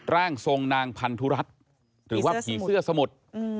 ร่างทรงนางพันธุรัตน์หรือว่าผีเสื้อสมุทร